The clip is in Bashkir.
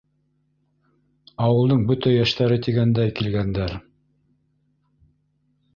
Ауылдың бөтә йәштәре тигәндәй килгәндәр.